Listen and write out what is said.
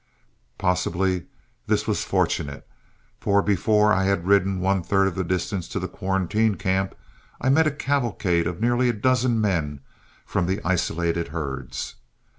Possibly this was fortunate, for before I had ridden one third the distance to the quarantine camp, I met a cavalcade of nearly a dozen men from the isolated herds.